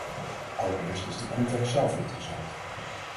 Allereerst is de context zelf interessant.